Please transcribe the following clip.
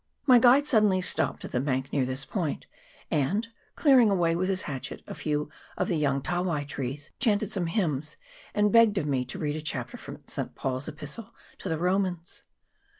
My guide suddenly stopped at the bank near this point, and, clearing away with his hatchet a few of the young tawai trees, chanted some hymns, and begged of me to read a chapter from St. Paul's Epistle to the Romans.